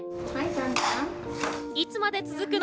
いつまで続くの？